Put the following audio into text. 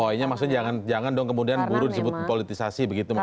pokoknya maksudnya jangan dong kemudian buruh disebut politisasi begitu